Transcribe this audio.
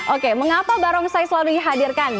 oke mengapa barongsai selalu dihadirkan